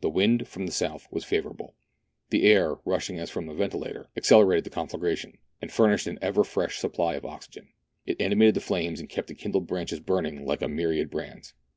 The wind, from the south, was favourable. The air, rushing as from a ventilator, accelerated the conflagration, and furnished an ever fresh supply of oxygen. It animated the flames, and kept the kindled branches burning like a myriad brands.